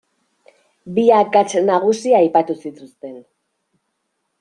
Bi akats nagusi aipatu zituzten.